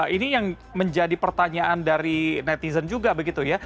ini yang menjadi pertanyaan dari netizen juga begitu ya